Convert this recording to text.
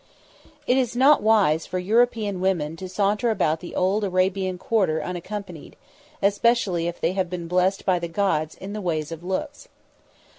It is not wise for European women to saunter about the old Arabian quarter unaccompanied, especially if they have been blessed by the gods in the ways of looks.